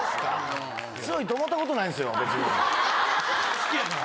好きやから。